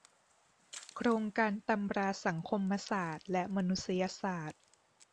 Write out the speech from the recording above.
โครงการตำราสังคมศาสตร์และมนุษยศาสตร์